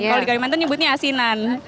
kalau di kalimantan nyebutnya asinan